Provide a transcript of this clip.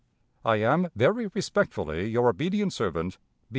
"I am, very respectfully, your obedient servant, "B.